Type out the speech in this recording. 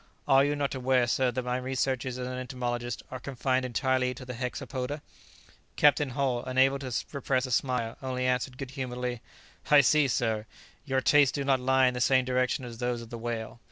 "Are you not aware, sir, that my researches as an entomologist are confined entirely to the hexapoda?" Captain Hull, unable to repress a smile, only answered good humouredly, "I see, sir, your tastes do not lie in the same direction as those of the whale."